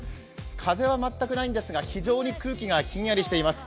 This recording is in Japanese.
風は全くないんですが非常に空気がひんやりしています。